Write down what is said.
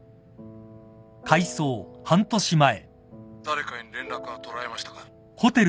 誰かに連絡は取られましたか？